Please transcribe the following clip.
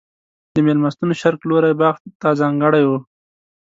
د مېلمستون شرق لوری باغ ته ځانګړی و.